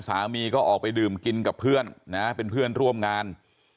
สามีก็ออกไปดื่มกินกับเพื่อนนะเป็นเพื่อนร่วมงาน